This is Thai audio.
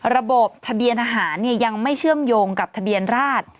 ระบบทะเบียนอาหารยังไม่เชื่อมโยงกับทะเบียนราช